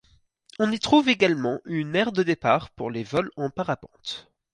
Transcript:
On y trouve également une aire de départ pour les vols en parapente.